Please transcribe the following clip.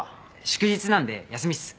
祝日なんで休みっす。